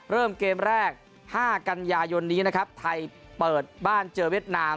เริ่มเกมแรก๕กันยายนนี้นะครับไทยเปิดบ้านเจอเวียดนาม